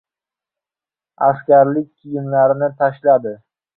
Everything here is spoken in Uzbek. Askarlik kiyimlarini tashladi.